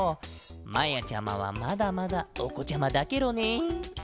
まやちゃまはまだまだおこちゃまだケロね。